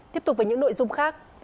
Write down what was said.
tiếp tục với những nội dung khác